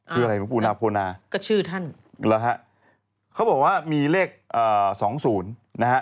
คืออะไรหลุงปู่นาโพนาก็ชื่อท่านเขาบอกว่ามีเลข๒๐นะฮะ